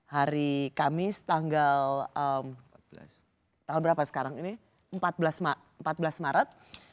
hari kamis tanggal empat belas maret